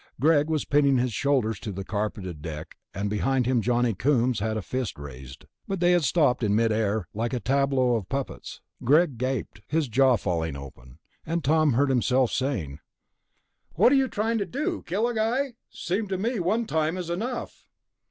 Greg was pinning his shoulders to the carpeted deck, and behind him Johnny Coombs had a fist raised.... But they had stopped in mid air, like a tableau of puppets. Greg gaped, his jaw falling open, and Tom heard himself saying, "What are you trying to do, kill a guy? Seems to me one time is enough."